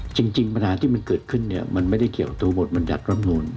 จริงปัญหาที่มันเกิดขึ้นมันไม่ได้เกี่ยวกับตัวบทบัญหารับนูน